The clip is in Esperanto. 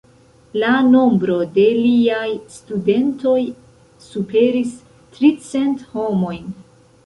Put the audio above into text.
La nombro de liaj studentoj superis tricent homojn.